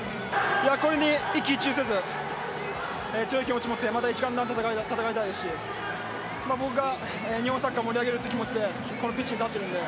これに一喜一憂せず、強い気持ちを持ってまた一丸となって戦いたいですし僕が日本サッカーを盛り上げるという気持ちでこのピッチに立っているので